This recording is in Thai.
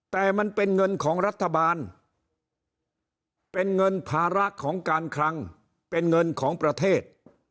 แต่มันเป็นเงินของรัฐบาลเป็นเงินภาระของการคลังเป็นเงินของประเทศ